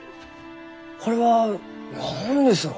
これは何ですろう？